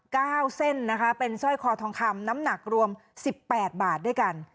เส้นนะคะเป็นสร้อยคอทองคำน้ำหนักรวมสิบแปดบาทด้วยกัน